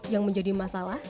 yang menjadi masalah